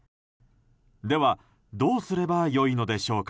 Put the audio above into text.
では、どうすればよいのでしょうか。